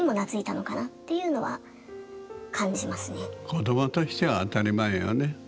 子どもとしては当たり前よね。